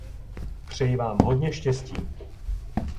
Přeji Vám hodně štěstí.